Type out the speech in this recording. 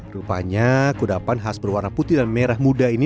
rupanya kudapan khas berwarna putih dan merah muda ini